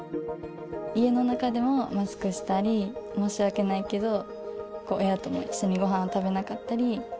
家の中でもマスクしたり、申し訳ないけど、親とも一緒にごはん食べなかったり。